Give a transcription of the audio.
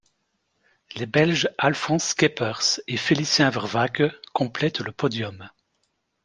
Les Belges Alfons Schepers et Félicien Vervaecke complètent le podium.